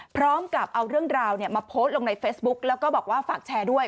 พร้อมกับเอาเรื่องราวมาโพสต์ลงในเฟซบุ๊กแล้วก็บอกว่าฝากแชร์ด้วย